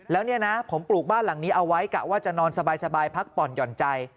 แล้วเนี่ยนะผมปลูกบ้านหลังนี้เอาไว้กะว่าจะนอนสบายพักผ่อนหย่อนใจ